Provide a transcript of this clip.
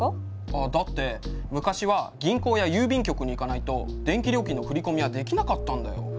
あっだって昔は銀行や郵便局に行かないと電気料金の振込はできなかったんだよ。